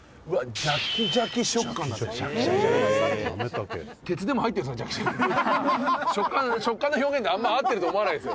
ジャキジャキ」「食感の表現であんまり合ってると思わないですよ」